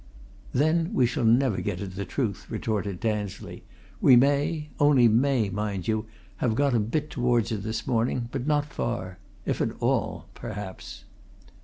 "Then we shall never get at the truth," retorted Tansley. "We may only may, mind you! have got a bit towards it this morning, but not far. If at all perhaps!"